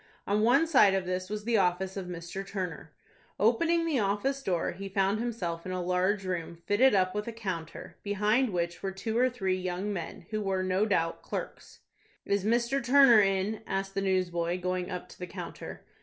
On one side of this was the office of Mr. Turner. Opening the office door, he found himself in a large room fitted up with a counter, behind which were two or three young men, who were, no doubt, clerks. "Is Mr. Turner in?" asked the newsboy, going up to the counter.